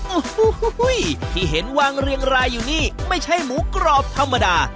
โอ้โหที่เห็นวางเรียงรายอยู่นี่ไม่ใช่หมูกรอบธรรมดา